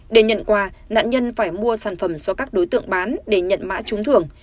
để nhận quà nạn nhân phải mua sản phẩm do các đối tượng bán để nhận mã trúng thưởng